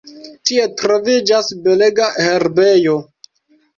Tie troviĝas belega herbejo.